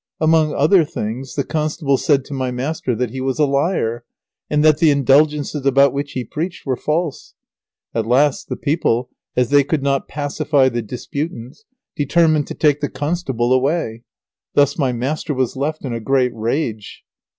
Among other things the constable said to my master that he was a liar, and that the Indulgences about which he preached were false. At last the people, as they could not pacify the disputants, determined to take the constable away. Thus my master was left in a great rage.